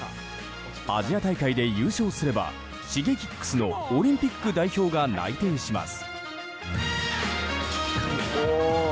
アジア大会で優勝すればＳｈｉｇｅｋｉｘのオリンピック代表が内定します。